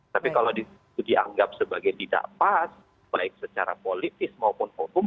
tapi kalau dianggap sebagai tidak pas baik secara politis maupun hukum